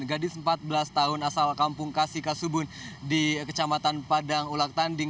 gadis empat belas tahun asal kampung kasih kasubun di kecamatan padang ulak tanding